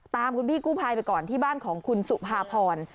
ตามคุณพี่กู้ภัยไปก่อนที่บ้านของคุณสุภาพร